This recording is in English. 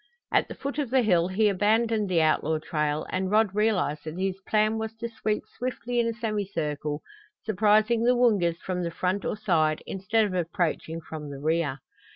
At the foot of the hill he abandoned the outlaw trail and Rod realized that his plan was to sweep swiftly in a semicircle, surprising the Woongas from the front or side instead of approaching from the rear.